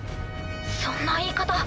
そんな言い方。